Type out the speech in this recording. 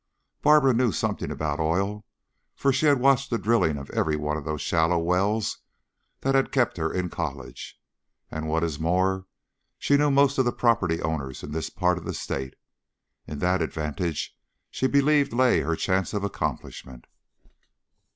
Barbara knew something about oil, for she had watched the drilling of every one of those shallow wells that had kept her in college, and what is more, she knew most of the property owners in this part of the state. In that advantage she believed lay her chance of accomplishment.